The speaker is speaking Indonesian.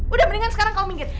udah mendingan sekarang kamu minggir